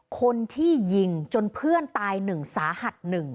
คนที่ยิงจนเพื่อนตาย๑สาหัส๑